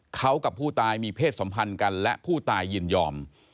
เขากับผู้ตายมีเพศสัมพันธ์กันและผู้ตายยินยอม